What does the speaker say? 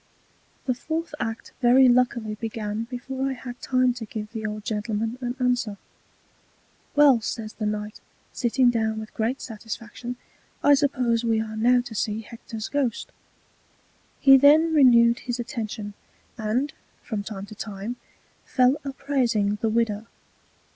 The Fourth Act very luckily begun before I had time to give the old Gentleman an Answer: Well, says the Knight, sitting down with great Satisfaction, I suppose we are now to see Hector's Ghost. He then renewed his Attention, and, from time to time, fell a praising the Widow.